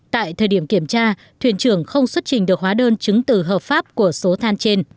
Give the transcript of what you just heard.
tại thời điểm kiểm tra thuyền trưởng không xuất trình được hóa đơn chứng từ hợp pháp của số than trên